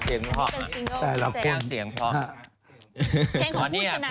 เป็นซิงเกิลไม่เสียในรายการ